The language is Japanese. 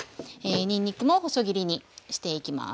にんにくも細切りにしていきます。